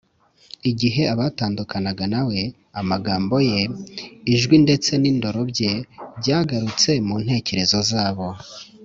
igihe batandukanaga na we, amagambo ye, ijwi ndetse n’indoro bye byagarutse mu ntekerezo zabo